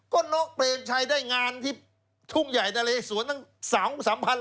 ก็น้องเปรมชัยได้งานที่ทุ่งใหญ่นะเลสวนตั้ง๒๓พัน